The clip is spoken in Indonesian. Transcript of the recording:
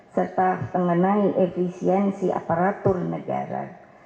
serta mengenai efisiensi aparatur negara